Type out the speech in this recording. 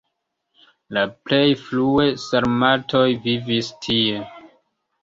La plej frue sarmatoj vivis tie.